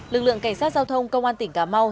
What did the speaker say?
lực lượng cảnh sát giao thông công an tỉnh cà mau